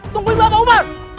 tungguin bapak umar